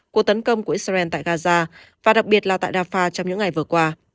của tấn công của israel tại gaza và đặc biệt là tại rafah trong những ngày vừa qua